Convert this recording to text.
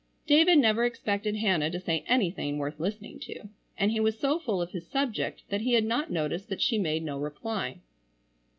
David never expected Hannah to say anything worth listening to, and he was so full of his subject that he had not noticed that she made no reply.